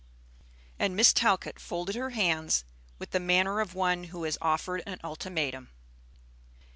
And Miss Talcott folded her hands with the manner of one who has offered an ultimatum.